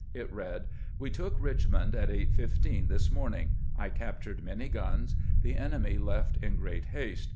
It read :" We took Richmond at 8 : 15 this morning. I captured many guns. The enemy left iri great haste.